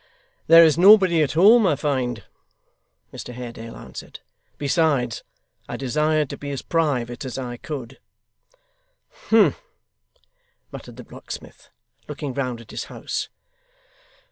'There is nobody at home, I find,' Mr Haredale answered; 'besides, I desired to be as private as I could.' 'Humph!' muttered the locksmith, looking round at his house.